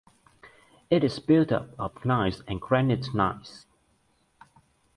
It is built up of gneiss and granite–gneiss.